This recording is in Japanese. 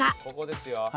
ここですよ。